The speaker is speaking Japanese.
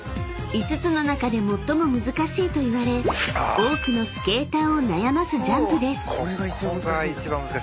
［５つの中で最も難しいといわれ多くのスケーターを悩ますジャンプです］